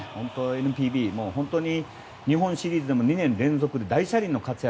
ＮＰＢ、本当に日本シリーズでもＭＶＰで大車輪の活躍。